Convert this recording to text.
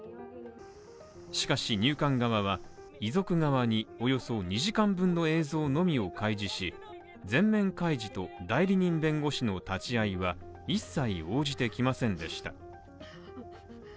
しかし入管側は遺族側におよそ２時間分の映像のみを開示し、全面開示と代理人弁護士の立ち会いは一切応じてきませんでした。